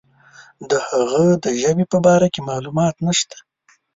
د هغه د ژبې په باره کې معلومات نشته.